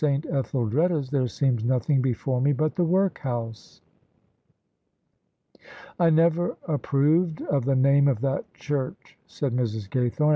Ethddreda's there seems nothing before me but the workhouse." ''I never ^proved of the name of that church," said Mrs. Gajrthome.